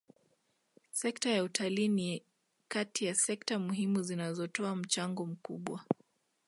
Sekta ya utalii ni kati ya sekta muhimu zinazotoa mchango mkubwa